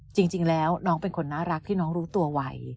จริงแล้วน้องเป็นคนน่ารักที่น้องรู้ตัวไว